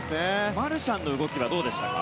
マルシャンの動きはどうでしたか。